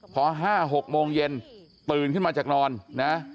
พอ๕๖โมงเย็นตื่นขึ้นมาจากนอนนะ